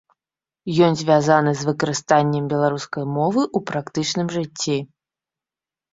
Ён звязаны з выкарыстаннем беларускай мовы ў практычным жыцці.